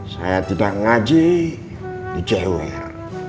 saya tidak ngaji di cewek